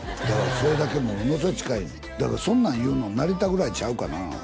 それだけものすごい近いだからそんなん言うの成田ぐらいちゃうかな